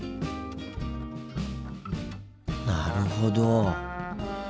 なるほど。